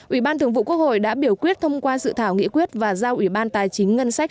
ủy ban thường vụ quốc hội đã biểu quyết thông qua dự thảo nghị quyết và giao ủy ban tài chính ngân sách